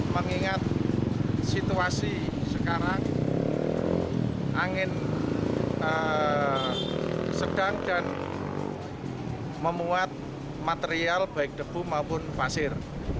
mengingat situasi sekarang angin sedang dan memuat material baik debu maupun pasir